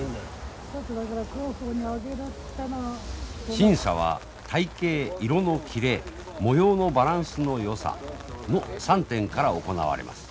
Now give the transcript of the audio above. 審査は体形色の切れ模様のバランスのよさの３点から行われます。